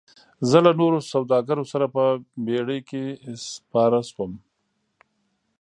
زه له نورو سوداګرو سره په بیړۍ کې سپار شوم.